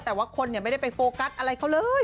แต่ว่าคนไม่ได้ไปโฟกัสอะไรเขาเลย